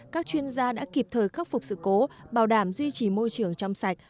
các chuyên gia đã kịp thời khắc phục sự cố bảo đảm duy trì môi trường trong sạch